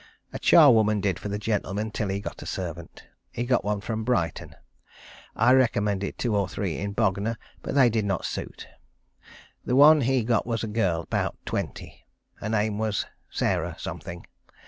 A charwoman did for the gentleman till he got a servant. He got one from Brighton. I recommended two or three in Bognor, but they did not suit. The one he got was a girl about twenty. Her name was Sarah Something.